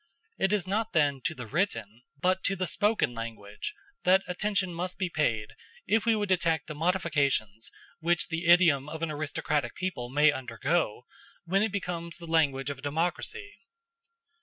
It is not then to the written, but to the spoken language that attention must be paid, if we would detect the modifications which the idiom of an aristocratic people may undergo when it becomes the language of a democracy.